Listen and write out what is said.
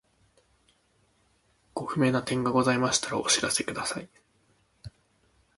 ご不明な点がございましたらお知らせください。